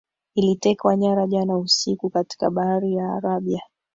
ilitekwa nyara jana usiku katika bahari ya arabia